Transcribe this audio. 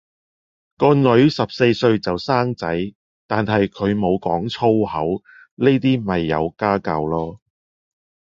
個女十四歲就生仔，但係佢無講粗口，呢啲咪有家教囉